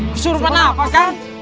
kesurupan apa kang